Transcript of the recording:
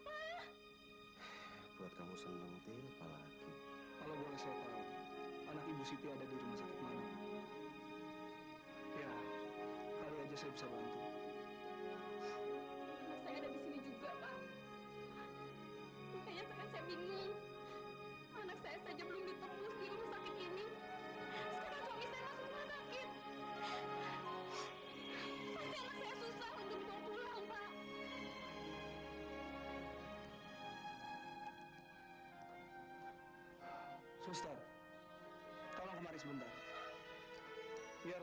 aku kepala rumah sakit di sini